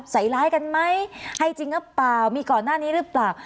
ใส่ร้ายกันไหมให้จริงหรือเปล่ามีก่อนหน้านี้หรือเปล่า